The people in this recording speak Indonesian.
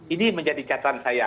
ini menjadi catatan saya